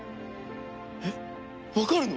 えっわかるの？